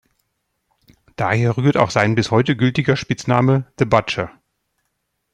Daher rührt auch sein bis heute gültiger Spitzname „The Butcher“.